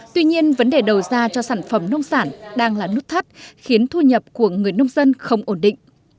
tuy nhiên vấn đề đầu ra cho sản phẩm nông sản đang là nút thắt khiến thu nhập của người nông dân không ổn định